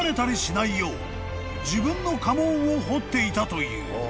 ［自分の家紋を彫っていたという］